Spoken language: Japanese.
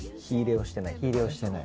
火入れをしてない。